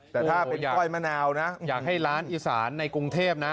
แต่ถ้าเป็นก้อยมะนาวนะอยากให้ร้านอีสานในกรุงเทพนะ